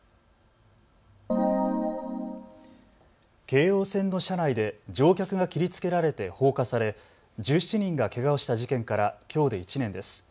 京王線の車内で乗客が切りつけられて放火され１７人がけがをした事件からきょうで１年です。